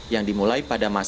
yang dimulai penyelenggaraan